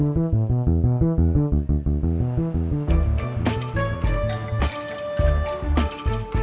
tim ini cukup berbucciata yang public